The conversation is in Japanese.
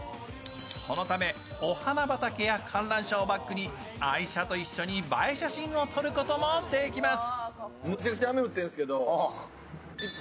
そのため、お花畑や観覧車をバックに愛車と一緒に映え写真を撮ることもできます。